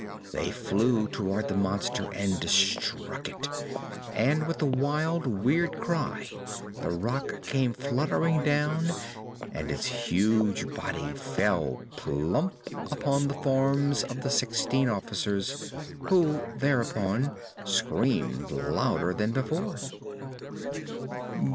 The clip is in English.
They flew toward the monster and struck it, and with a wild, weird cry the Rak came fluttering down and its huge body fell plump upon the forms of the sixteen officers, who thereupon screamed louder than before.